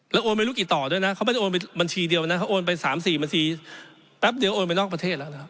โอนไม่รู้กี่ต่อด้วยนะเขาไม่ได้โอนไปบัญชีเดียวนะเขาโอนไป๓๔บัญชีแป๊บเดียวโอนไปนอกประเทศแล้วนะครับ